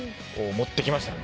持ってきましたね。